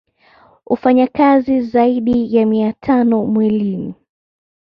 Hufanya kazi zaidi ya mia tano mwilini